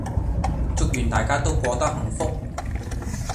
祝願大家都過得幸福